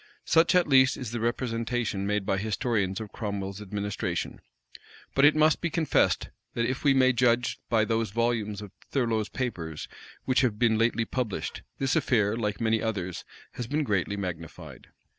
Such at least is the representation made by historians of Cromwell's administration: but it must be confessed, that, if we may judge by those volumes of Thurloe's papers which have been lately published, this affair, like many others, has been greatly magnified.